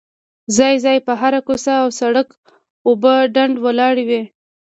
ځای ځای په هره کوڅه او سړ ک اوبه ډنډ ولاړې وې.